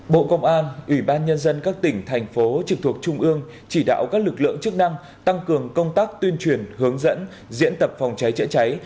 bộ công an ủy ban nhân dân các tỉnh thành phố trực thuộc trung ương chỉ đạo các lực lượng chức năng tăng cường công tác tuyên truyền hướng dẫn diễn tập phòng cháy chữa cháy